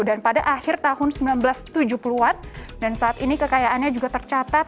dan pada akhir tahun seribu sembilan ratus tujuh puluh an dan saat ini kekayaannya juga tercatat